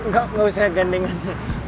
gak gak usah gandengan